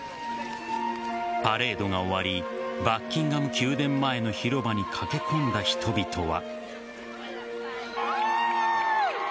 パレードが終わりバッキンガム宮殿前の広場に駆け込んだ人々は。